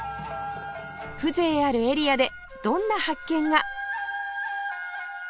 風情あるエリアでどんな発見が？